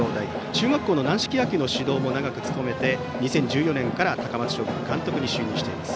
中学校の軟式野球の監督も長く務めて２０１４年から高松商業の監督に就任しています。